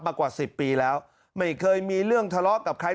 กว่าสิบปีแล้วไม่เคยมีเรื่องทะเลาะกับใคร